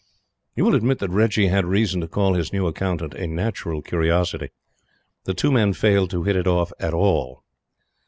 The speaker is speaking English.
You will admit that Reggie had reason to call his new Accountant a Natural Curiosity. The two men failed to hit it off at all.